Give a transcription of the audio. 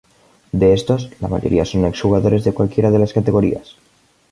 De estos, la mayoría son exjugadores de cualquiera de las categorías.